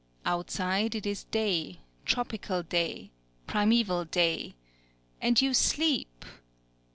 _'... Outside it is day, tropical day, primeval day! And you sleep!!...